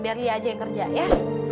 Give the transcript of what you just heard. biar lea aja yang kerja ya